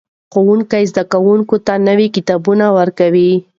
ښوونکي زده کوونکو ته نوي کتابونه ورکوي.